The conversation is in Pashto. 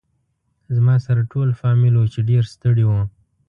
زما سره ټول فامیل و چې ډېر ستړي و.